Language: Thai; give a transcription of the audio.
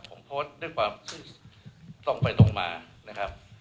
ผมโพสต์ด้วยความขึ้นตรงไปตรงมานะครับ